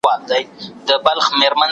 زه به سبا مکتب ته ولاړم!؟